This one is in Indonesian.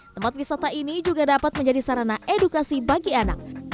tempat wisata ini juga dapat menjadi sarana edukasi bagi anak